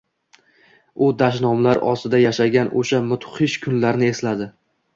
U dashnomlar ostida yashagan o’sha mudhish kunlarni esladi.